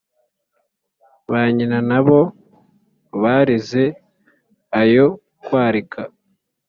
ba nyina nabo barize ayo kwarika,